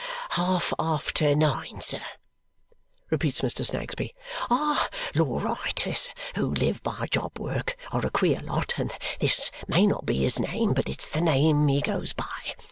"Half after nine, sir," repeats Mr. Snagsby. "Our law writers, who live by job work, are a queer lot; and this may not be his name, but it's the name he goes by.